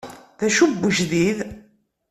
D acu n wejdid?